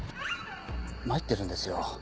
参ってるんですよ